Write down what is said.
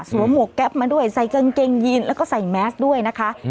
หมวกแก๊ปมาด้วยใส่กางเกงยีนแล้วก็ใส่แมสด้วยนะคะ